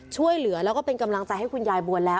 ช่วยเหลือและกำลังจะให้คุณยายบวนแล้ว